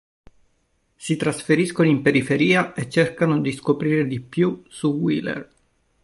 Si trasferiscono in periferia e cercano di scoprire di più su Wyler.